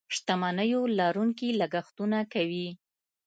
شتمنيو لرونکي لګښتونه کوي.